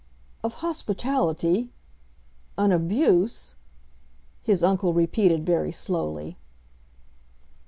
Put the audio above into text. "Of hospitality?—an abuse?" his uncle repeated very slowly.